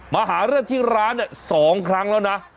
มาหาเรื่องที่ร้าน๒ครั้งแล้วนะ